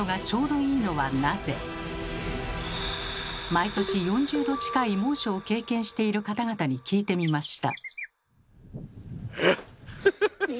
毎年４０℃近い猛暑を経験している方々に聞いてみました。